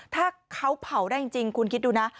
ถ้าเขาเผาได้จริงคุณคิดดูนะ